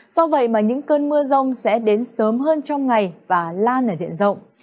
do vậy mà những cơn mưa rông sẽ đến sớm hơn trong ngày và lan ở diện rộng